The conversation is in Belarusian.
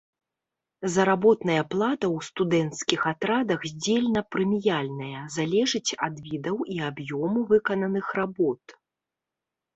Заработная плата ў студэнцкіх атрадах здзельна-прэміяльная, залежыць ад відаў і аб'ёму выкананых работ.